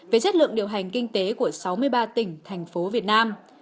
về chất lượng điều hành kinh tế của sáu mươi ba tỉnh thành phố việt nam